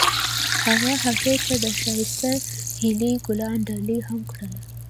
هغه هغې ته د ښایسته هیلې ګلان ډالۍ هم کړل.